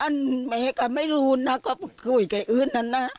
ไอ้อันแม่ก็ไม่รู้นะก็คุยกับใครอื่นแล้วนะ